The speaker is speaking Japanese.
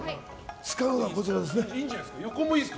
使うのはこちらです。